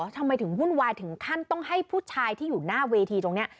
ทำไมถึงวุ่นวายถึงขั้นต้องให้ผู้ชายที่อยู่หน้าเวทีตรงนี้